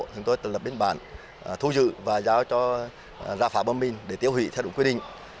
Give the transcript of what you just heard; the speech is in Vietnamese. chúng tôi lập biên bản thu dự và giao cho ra phá bom mìn để tiêu hủy theo đúng quy định